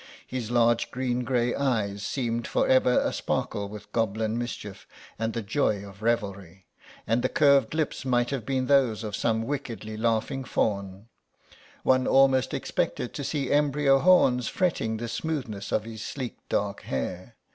His large green grey eyes seemed for ever asparkle with goblin mischief and the joy of revelry, and the curved lips might have been those of some wickedly laughing faun; one almost expected to see embryo horns fretting the smoothness of his sleek dark hair.